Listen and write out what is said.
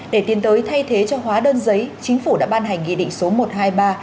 để tiến tới thay thế cho hóa đơn giấy chính phủ đã ban hành nghị định số một trăm hai mươi ba